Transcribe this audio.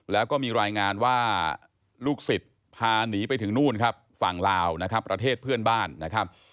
แล้วก็มีรายงานว่าลูกศิษย์พาหนีไปถึงนู่นครับฝั่งลาวนะครับประเทศเพื่อนบ้านนะครับ